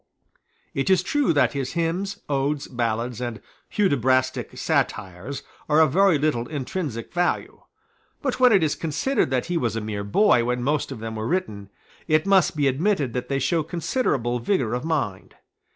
It is true that his hymns, odes, ballads, and Hudibrastic satires are of very little intrinsic value; but, when it is considered that he was a mere boy when most of them were written, it must be admitted that they show considerable vigour of mind.